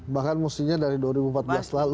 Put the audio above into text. bahkan mestinya dari dua ribu empat belas lalu